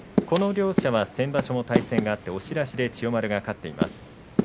この両者は先場所対戦があって押し出しで千代丸が勝っています。